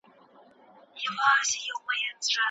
يوازې په تورې نه کيږي.